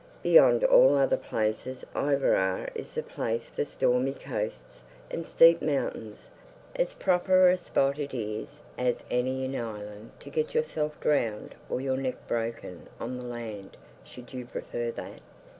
Beyond all other places Iveragh is the place for stormy coasts and steep mountains, as proper a spot it is as any in Ireland to get yourself drowned, or your neck broken on the land, should you prefer that.